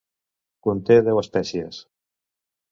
Conté deu espècies.